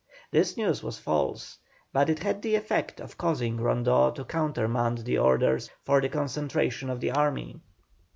This news was false, but it had the effect of causing Rondeau to countermand the orders for the concentration of the army.